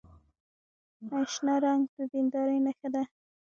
آیا شنه رنګ د دیندارۍ نښه نه ده؟